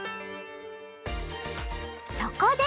そこで！